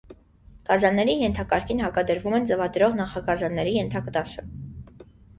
Գազանների ենթակարգին հակադրվում են ձվադրող նախագազանների ենթադասը։